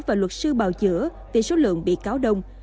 và luật sư bào chữa vì số lượng bị cáo đông